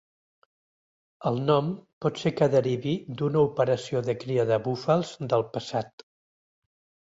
El nom pot ser que derivi d'una operació de cria de búfals del passat.